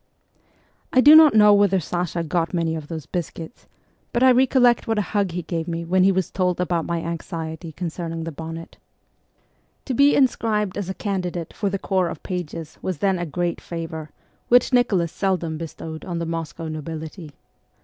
I do not know whether Sasha got many of those biscuits, but I recollect what a hug he gave me when he was told about my anxiety concerning the bonnet. 80 MEMOIRS OF A REVOLUTIONIST To be inscribed as a candidate for the corps of pages was then a great favour, which Nicholas seldom be stowed on the Moscow nobility.